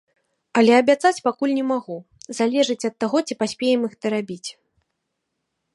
Але абяцаць пакуль не магу, залежыць ад таго, ці паспеем іх дарабіць.